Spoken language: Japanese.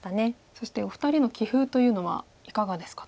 そしてお二人の棋風というのはいかがですか？